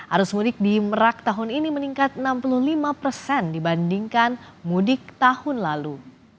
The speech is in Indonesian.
arus mudik di merak tahun ini meningkat enam puluh lima persen dibandingkan mudik tahun lalu